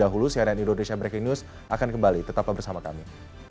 dahulu cnn indonesia breaking news akan kembali tetaplah bersama kami